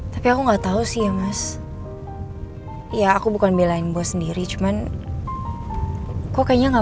tapi aku nggak tahu sih ya mas ya aku bukan belain bos sendiri cuman kok kayaknya nggak